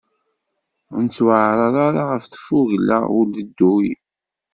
Ur nettwaεreḍ ara ɣer tfugla n uledduy.